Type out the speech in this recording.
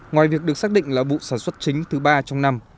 ngoài việc được xác định là vụ sản xuất chính thứ ba trong năm